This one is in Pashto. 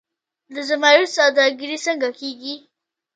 د زمرد سوداګري څنګه کیږي؟